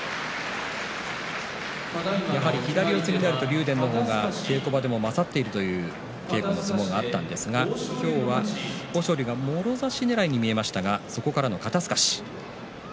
やはり左四つになると竜電の方が稽古場でも勝っているという相撲があったんですが今日は豊昇龍がもろ差しねらいに見えましたがそこからの肩すかし。